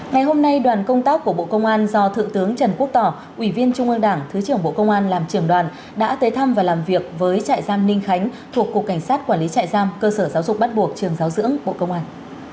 ngày hôm nay đoàn công tác của bộ công an do thượng tướng trần quốc tỏ ủy viên trung ương đảng thứ trưởng bộ công an làm trưởng đoàn đã tới thăm và làm việc với trại giam ninh khánh thuộc cục cảnh sát quản lý trại giam cơ sở giáo dục bắt buộc trường giáo dưỡng bộ công an